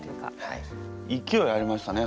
いきおいありましたね